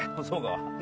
そうか？